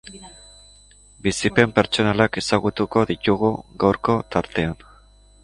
Bizipen pertsonalak ezagutuko ditugu gaurko tartean.